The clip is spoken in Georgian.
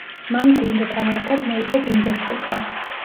მან გუნდთან ერთად მოიგო ბუნდესლიგა.